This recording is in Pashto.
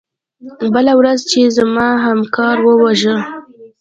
بله ورځ چا زما همکار وواژه.